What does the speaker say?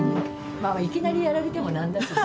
まあいきなりやられても何だしね。